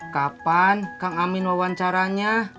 kapan kang amin wawancaranya